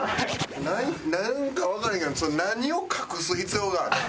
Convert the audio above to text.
なんかわからへんけど何を隠す必要があんねん。